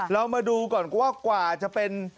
เรามาดูก่อนว่ากว่าจะเป็น